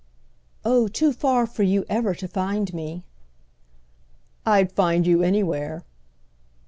"Oh too far for you ever to find me!" "I'd find you anywhere."